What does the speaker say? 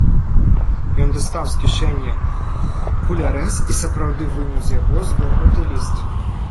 Ён дастаў з кішэні пулярэс і сапраўды выняў з яго згорнуты ліст.